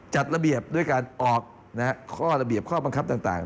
จัดระเบียบด้วยการออกข้อระเบียบข้อบังคับต่าง